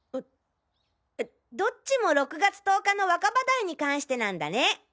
えどっちも６月１０日の若葉台に関してなんだね。